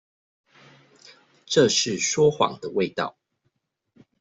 這是說謊的味道